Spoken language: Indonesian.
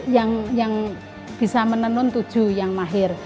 yang bisa menenun tujuh yang mahir